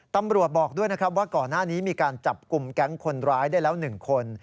ตำรวจบอกด้วยนะครับว่าก่อนหน้านี้มีการจับกลุ่มแก๊งคนร้ายได้แล้ว๑คน